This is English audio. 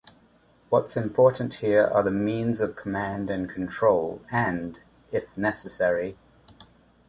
What's important here are the means of command and control and, if necessary...